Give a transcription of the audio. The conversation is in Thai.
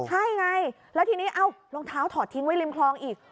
ใช่ไงแล้วทีนี้เอ้ารองเท้าถอดทิ้งไว้ริมคลองอีก